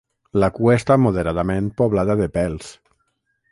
La cua està moderadament poblada de pèls.